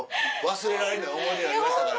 忘れられない思い出なりましたから。